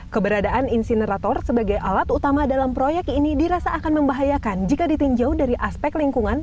keberadaan insinerator sebagai alat utama dalam proyek ini dirasa akan membahayakan jika ditinjau dari aspek lingkungan